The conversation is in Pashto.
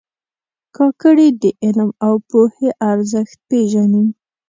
کاکړي د علم او پوهې ارزښت پېژني.